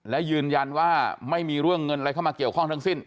และยืนยันว่าไม่มีเรื่องเงินอะไรเข้ามาเกี่ยวข้องทั้งสิ้น